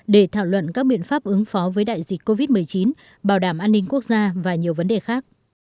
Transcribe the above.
để thảo luận các biện pháp ứng phó với đại dịch covid một mươi chín bảo đảm an ninh quốc gia và nhiều vấn đề khác